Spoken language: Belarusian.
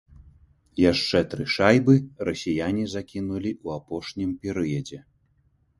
Яшчэ тры шайбы расіяне закінулі ў апошнім перыядзе.